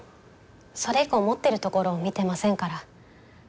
それ以降持ってるところを見てませんから。